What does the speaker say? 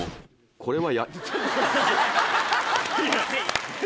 これは。